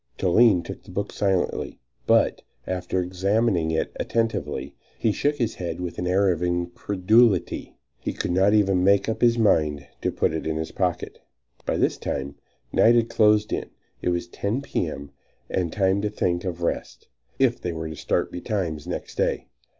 Toline took the book silently; but, after examining it attentively, he shook his head with an air of incredulity, and could not even make up his mind to put it in his pocket. By this time night had closed in; it was 10 P. M. and time to think of rest, if they were to start betimes next day.